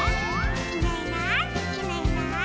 「いないいないいないいない」